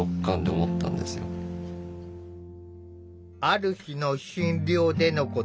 ある日の診療でのこと。